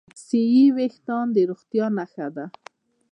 صحي وېښتيان د روغتیا نښه ده.